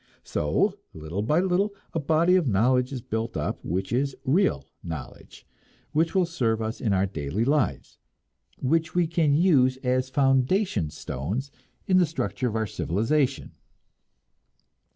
So little by little a body of knowledge is built up which is real knowledge; which will serve us in our daily lives, which we can use as foundation stones in the structure of our civilization.